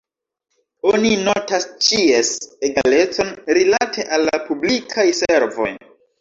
Oni notas ĉies egalecon rilate al la publikaj servoj.